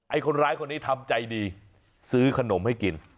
คนร้ายคนนี้ทำใจดีซื้อขนมให้กิน